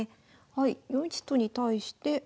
はい４一と金に対して。